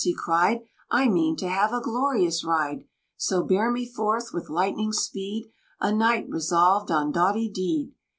he cried, "I mean to have a glorious ride; So bear me forth with lightning speed, A Knight resolved on doughty deed.